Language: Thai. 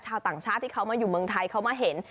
ชาวต่างชาติที่เขามาอยู่เมืองไทยเขามาเห็น